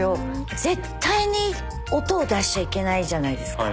絶対に音を出しちゃいけないじゃないですか。